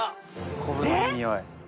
昆布のいいにおい。